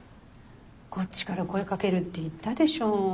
こっちから声かけるって言ったでしょう？